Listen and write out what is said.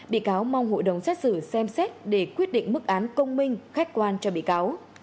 bị cáo mong hội đồng xét xử xem xét để quyết định mức án công minh khách quan cho bị cáo